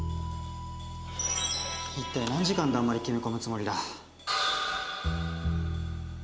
一体何時間だんまり決め込むつもりだ。